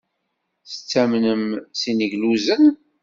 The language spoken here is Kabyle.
Tettamnem s yineglusen?